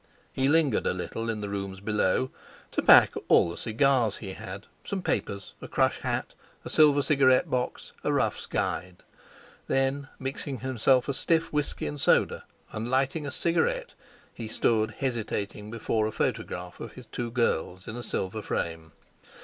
He lingered a little in the rooms below, to pack all the cigars he had, some papers, a crush hat, a silver cigarette box, a Ruff's Guide. Then, mixing himself a stiff whisky and soda, and lighting a cigarette, he stood hesitating before a photograph of his two girls, in a silver frame.